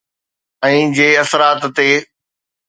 ۽ جي اثرات تي